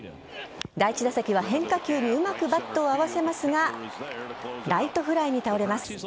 第１打席は変化球にうまくバットを合わせますがライトフライに倒れます。